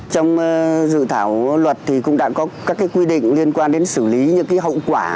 trong dự thảo luật cũng đã có các quy định liên quan đến xử lý những hậu quả